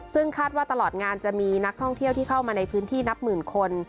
ซึ่งคาดว่าตลอดงานจะมีนักท่องเที่ยวที่เข้ามาในพื้นที่นับหมื่นคน